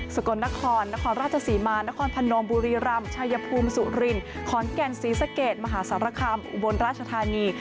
กลนครนครราชศรีมานครพนมบุรีรำชายภูมิสุรินขอนแก่นศรีสะเกดมหาสารคามอุบลราชธานี